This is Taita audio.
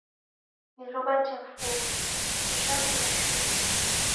Iruwa jafuma, jhabia shuu.